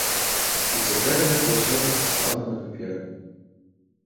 І цяпер гэта ўсё зафіксавана на паперы.